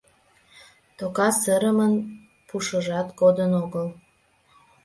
Тока сырымын пушыжат кодын огыл.